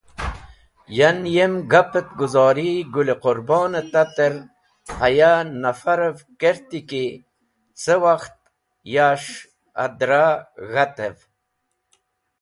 Yan yem gap et guzori Gũl-e Qũrbon tater haya nafarev kert ki ce wakht yaa’sh adra g̃hatev.